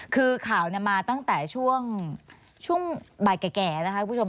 คือข่าวมาตั้งแต่ช่วงบ่ายแก่นะคะคุณผู้ชม